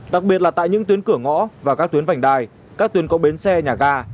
đặc biệt là tại những tuyến cửa ngõ và các tuyến vành đai các tuyến có bến xe nhà ga